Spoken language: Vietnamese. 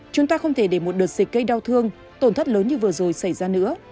chúng ta không thể để một đợt dịch gây đau thương tổn thất lớn như vừa rồi xảy ra nữa